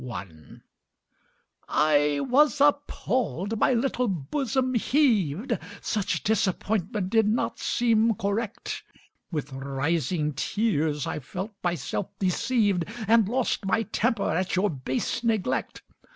26 A VALENTINE I was appalled my little bosom heaved Such disappointment did not seem correct. With rising tears I felt myself deceived And lost my temper at your base neglect.